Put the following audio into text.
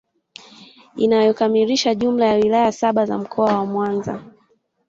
inayokamilisha jumla ya wilaya saba za Mkoa wa Mwanza